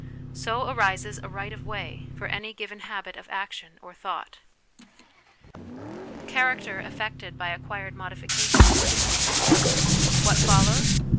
So arises a right of way for any given habit of action or thought. Character affected by Acquired Modification of Brain Tissue. What follows?